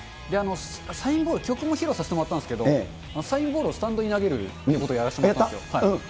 サインボール、曲も披露させてもらったんですけど、サインボールをスタンドに投げるということをやらせてもらったんですよ。